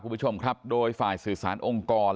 คุณผู้ชมครับโดยฝ่ายสื่อสารองค์กร